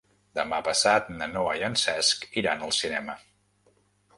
Demà passat na Noa i en Cesc iran al cinema.